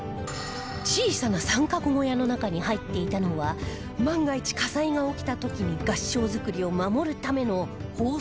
小さな三角小屋の中に入っていたのは万が一火災が起きた時に合掌造りを守るための放水銃